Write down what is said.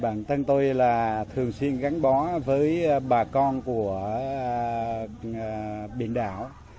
bản thân tôi là thường xuyên gắn bó với bà con của biển đảo